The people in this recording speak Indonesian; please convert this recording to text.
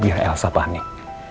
biar elsa panik